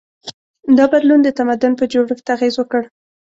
دا بدلون د تمدن په جوړښت اغېز وکړ.